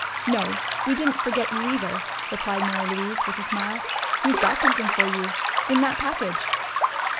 "No, we didn't forget you, either," replied Mary Louise, with a smile. "We've got something for you in that package."